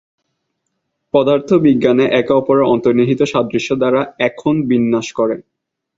পদার্থবিজ্ঞানের একে অপরের অন্তর্নিহিত সাদৃশ্য দ্বারা "এখন" বিন্যাস করে।